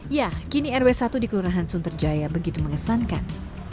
ya kini rw satu di kelurahan sunterjaya begitu mengesankan